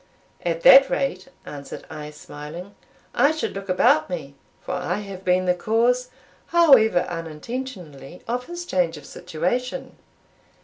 "At that rate," answered I, smiling, "I should look about me; for I have been the cause, however unintentionally, of his change of situation."